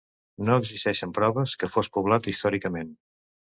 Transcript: No existeixen proves que fos poblat històricament.